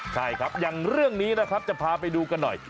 ใช่ครับอย่างเรื่องนี้นะครับจะพาไปดูกันหน่อย